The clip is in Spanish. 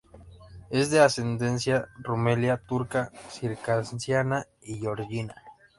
Es de ascendencia rumelia turca, circasiana y georgiana.